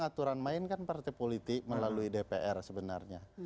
kita ngaturan mainkan partai politik melalui dpr sebenarnya